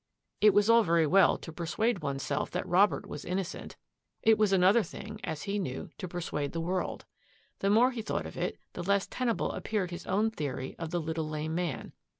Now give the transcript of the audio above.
It was all very well to persuade one's self that Robert was innocent ; it was another thing, as he knew, to per suade the world. The more he thought of it, the less tenable appeared his own theory of the little lame man.